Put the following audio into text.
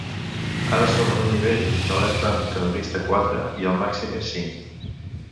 Ara som en un nivell d’alerta antiterrorista quatre, i el màxim és cinc.